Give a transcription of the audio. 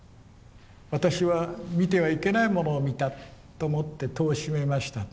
私は見てはいけないものを見たと思って戸を閉めました。